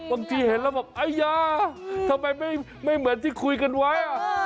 บางทีเห็นแล้วแบบไอ้ยาทำไมไม่เหมือนที่คุยกันไว้